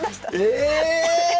え